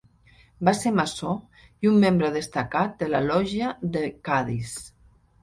Va ser maçó i un membre destacat de la Lògia de Cadis.